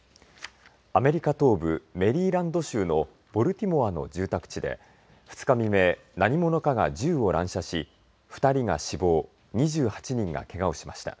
アメリカ東部メリーランド州のボルティモアの住宅地で２日未明何者かが銃を乱射し２人が死亡２８人がけがをしました。